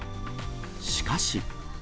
しかし。